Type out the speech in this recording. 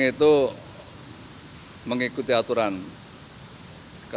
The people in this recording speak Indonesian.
kalau tidak mengikuti aturan jangan dilakukan